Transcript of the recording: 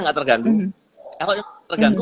nggak terganggu kalau yang terganggu